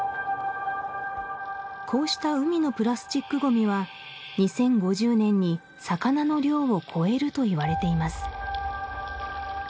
こうした海のプラスチックごみは２０５０年に魚の量を超えるといわれています